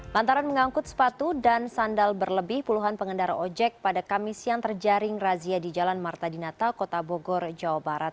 lantaran mengangkut sepatu dan sandal berlebih puluhan pengendara ojek pada kamis yang terjaring razia di jalan marta dinata kota bogor jawa barat